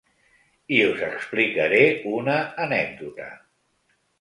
I us explicaré una anècdota.